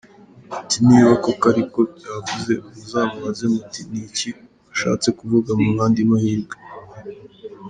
Ati “Niba koko ariko byavuze, muzamubaze muti ‘ni iki washatse kuvuga’, mumuhe andi mahirwe.